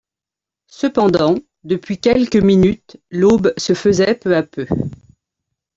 Cependant, depuis quelques minutes, l’aube se faisait peu à peu.